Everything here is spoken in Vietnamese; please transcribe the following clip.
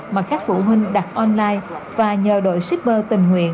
mà các phụ huynh đặt online và nhờ đội shipper tình nguyện